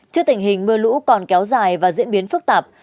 trước tình hình mưa lũ còn kéo dài và diễn biến phức tạp